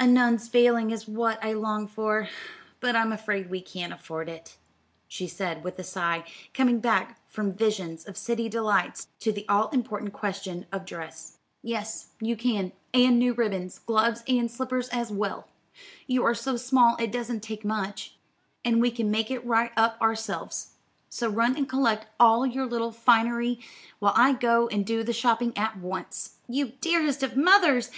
A nun's veiling is what I long for, but I'm afraid we can't afford it," she said with a sigh, coming back from visions of city delights to the all important question of dress. "Yes, you can, and new ribbons, gloves, and slippers as well. You are so small it doesn't take much, and we can make it right up ourselves. So run and collect all your little finery, while I go and do the shopping at once." "You dearest of mothers!